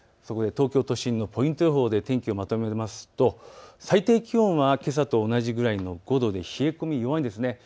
東京都心のポイント予報で天気をまとめますと最低気温はけさと同じくらいの５度で、冷え込みは弱いんです。